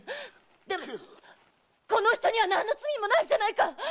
でもこの人には何の罪もないじゃないか！